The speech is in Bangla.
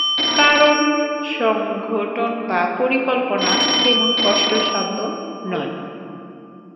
কারণ সংগঠন বা পরিকল্পনা তেমন কষ্টসাধ্য নয়।